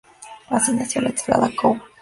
Así nació la ensalada Cobb.